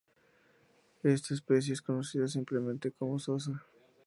Esta especie es conocida simplemente como 'Sosa'.